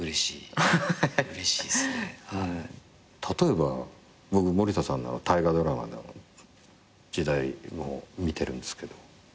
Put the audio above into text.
例えば僕森田さんの大河ドラマの時代も見てるんですけど。